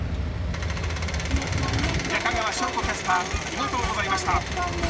中川翔子キャスターありがとうございました。